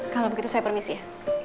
kalau begitu saya permisi ya